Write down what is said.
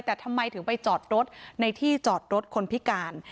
แต่ทำไมถึงไปจอดรถในที่จอดรถคนพิการ